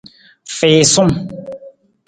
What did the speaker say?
Fiisung.